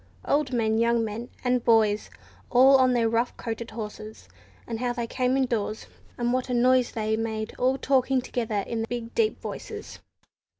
Old men, young men, and boys, all on their rough coated horses, and how they came indoors, and what a noise they made all talking together in their big deep voices.